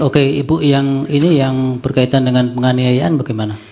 oke ibu yang ini yang berkaitan dengan penganiayaan bagaimana